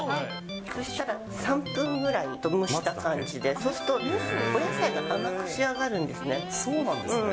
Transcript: そしたら、３分ぐらい蒸した感じで、そうすると蒸すとお野菜が甘く仕上がるそうなんですね。